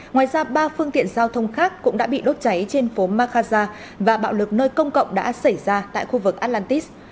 ngoài ra ba phương tiện giao thông khác cũng đã bị đốt cháy trên phố makhaza và bạo lực nơi công cộng đã xảy ra tại khu vực atlantis